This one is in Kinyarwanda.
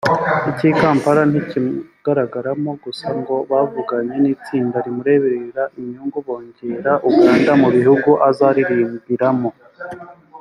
icy’i Kampala ntikigaragaramo gusa ngo bavuganye n’itsinda rimureberera inyungu bongera Uganda mu bihugu azaririmbiramo